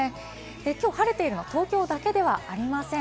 今日晴れているのは東京だけではありません。